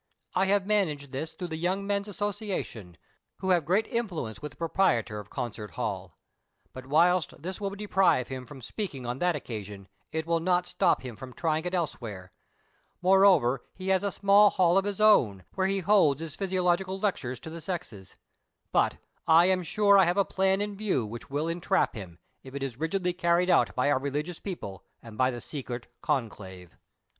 I have managed this through the Young Men's Association, wlio have great intiuence with the proprietor of Concert Hall. But, whilst this will de prive him from speaking on that occasion, it will not stop him from trying it elsewhere ; moreover, he has a small hall of his own, where he holds his physiological lectures to the sexes ; but, I am sure I have a plan in view which will entrap him, if it is rigidly carried out by our religious people, and by the secret conclave.